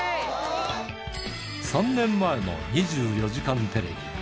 ３年前の２４時間テレビ。